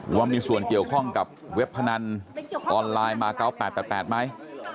ว่ามีส่วนเกี่ยวข้องกับเว็บพนันออนไลน์มา๙๘๘ไหม